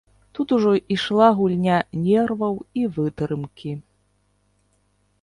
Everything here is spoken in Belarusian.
Тут ужо ішла гульня нерваў і вытрымкі.